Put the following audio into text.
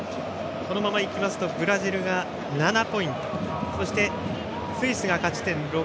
このままいきますとブラジルが７ポイントそしてスイスが勝ち点６。